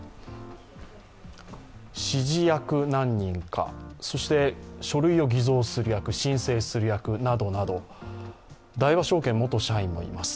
指示役、何人か、そして書類を偽造する役、申請する役などなど大和証券元社員もいます。